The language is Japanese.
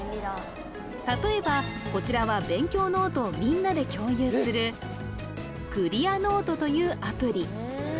例えばこちらは勉強ノートをみんなで共有するＣｌｅａｒｎｏｔｅというアプリ